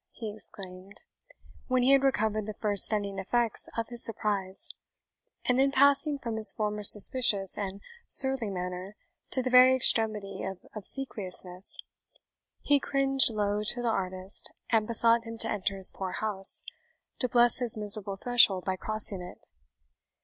he exclaimed, when he had recovered the first stunning effects of his surprise; and then passing from his former suspicious and surly manner to the very extremity of obsequiousness, he cringed low to the artist, and besought him to enter his poor house, to bless his miserable threshold by crossing it.